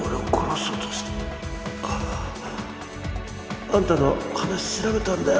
ああ。あんたの話調べたんだよ。